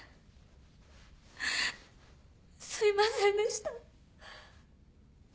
すいませんでした。